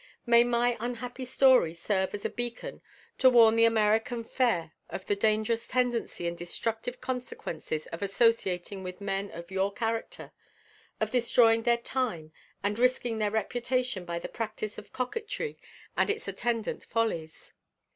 May my unhappy story serve as a beacon to warn the American fair of the dangerous tendency and destructive consequences of associating with men of your character, of destroying their time and risking their reputation by the practice of coquetry and its attendant follies.